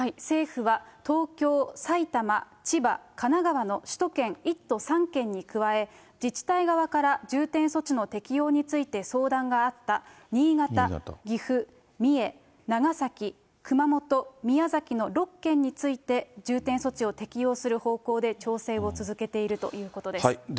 政府は、東京、埼玉、千葉、神奈川の、首都圏１都３県に加え、自治体側から重点措置の適用について相談があった新潟、岐阜、三重、長崎、熊本、宮崎の６県について、重点措置を適用する方向で調整を続けているということです。